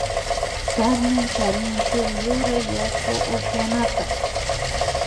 Carmen charin shuk yura yaku upyanata